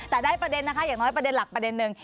แต่ได้ประเด็นนะคะอย่างน้อยประเด็นหลักประเด็นหนึ่ง